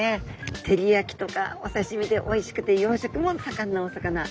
照り焼きとかお刺身でおいしくて養殖も盛んなお魚。